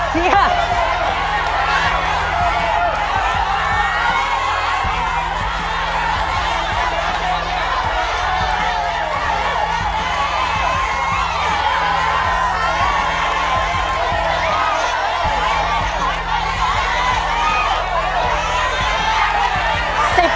เยี่ยม